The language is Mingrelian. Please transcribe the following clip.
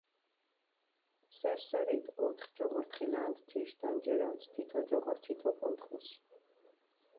სერ-სერით ოთხი ჯოღორი თხილანდჷ თიშ დანჯირალს, თითო ჯოღორი თითო კუნთხუს.